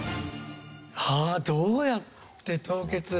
はあどうやって凍結。